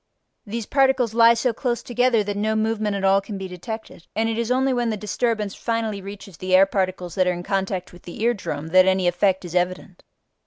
These particles lie so close together that no movement at all can be detected, and it is only when the disturbance finally reaches the air particles that are in contact with the ear drum that any effect is evident.